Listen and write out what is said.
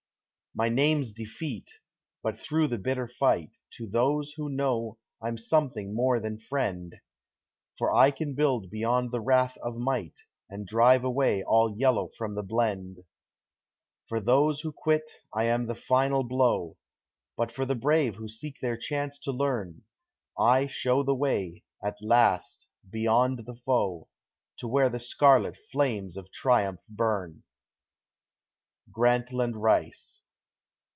My name's Defeat but through the bitter fight, To those who know, I'm something more than friend; For I can build beyond the wrath of might And drive away all yellow from the blend; For those who quit, I am the final blow, But for the brave who seek their chance to learn, I show the way, at last, beyond the foe, To where the scarlet flames of triumph burn. _Grantland Rice.